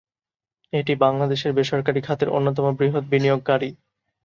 এটি বাংলাদেশের বেসরকারী খাতের অন্যতম বৃহৎ বিনিয়োগকারী।